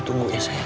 tunggu ya sayang